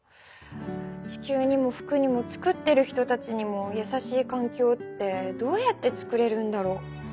地球にも服にも作ってる人たちにもやさしい環境ってどうやって作れるんだろう？